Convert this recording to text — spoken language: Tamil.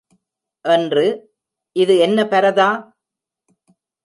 என்று, இது என்ன பரதா?